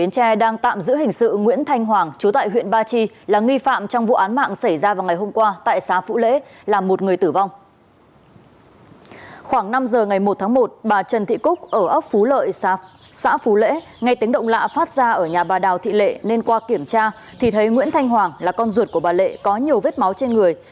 khoảng năm giờ ngày một tháng một bà trần thị cúc ở ốc phú lợi xã phú lễ ngay tiếng động lạ phát ra ở nhà bà đào thị lệ nên qua kiểm tra thì thấy nguyễn thanh hoàng là con ruột của bà lệ có nhiều vết máu trên người